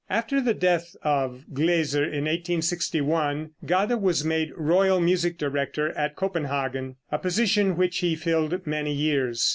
After the death of Gläser in 1861, Gade was made royal music director at Copenhagen, a position which he filled many years.